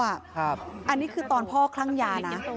อันนี้คือตอนพ่อคลั่งยานะ